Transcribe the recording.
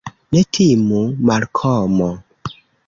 Ne timu, Malkomo.